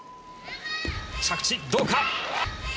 着地、どうか。